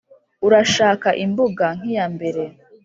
urashaka imbuga nk'iyambere